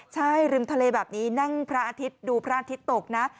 ใช่ริมทะเลแบบนี้นั่งพระอาทิตย์ดูพระอาทิตย์ตกนะ